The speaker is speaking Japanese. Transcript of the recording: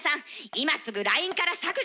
今すぐＬＩＮＥから削除して下さい！